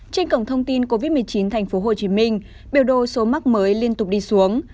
trên cổng thông tin covid một mươi chín tp hcm biểu đồ số mắc mới liên tục đi xuống